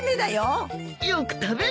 よく食べるなあ。